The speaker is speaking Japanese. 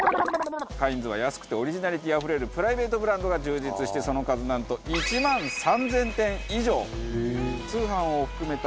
カインズは安くてオリジナリティーあふれるプライベートブランドが充実してその数なんと１万３０００点以上。